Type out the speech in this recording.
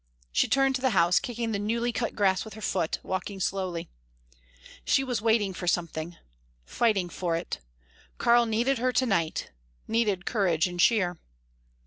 She turned to the house, kicking the newly cut grass with her foot, walking slowly. She was waiting for something fighting for it. Karl needed her to night, needed courage and cheer.